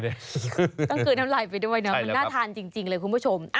กลืนน้ำลายไปด้วยนะมันน่าทานจริงเลยคุณผู้ชม